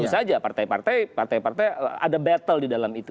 tentu saja partai partai ada battle di dalam itu